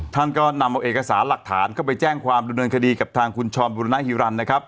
ท่านก็นำเอาเอกสารหลักฐานเข้าไปแจ้งความดำเนินคดีกับทางคุณชรบุรณฮิรันดินะครับ